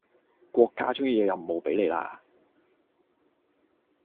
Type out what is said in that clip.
國家終於有任務俾你喇